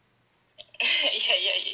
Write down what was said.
「いやいやいや」。